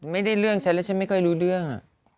ไม่ได้เรื่องใช้แล้วฉันไม่ค่อยรู้เรื่อง